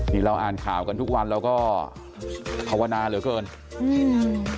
นี่เราอ่านข่าวกันทุกวันเราก็ภาวนาเหลือเกินอืม